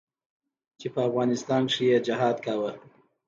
چې په افغانستان کښې يې جهاد کاوه.